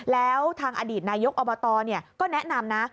แล้วทางอดีตนายกอบตก็แนะนำนะ